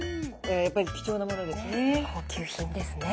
やっぱり貴重なものですね。